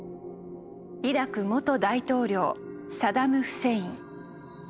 イラク元大統領サダム・フセイン。